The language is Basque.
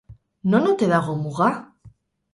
Non ote dago muga?